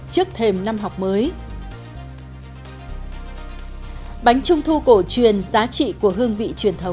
trước thềm năm học mới